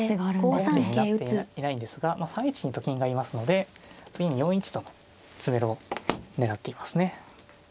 王手になっていないんですが３一にと金がいますので次に４一との詰めろ狙っていますね。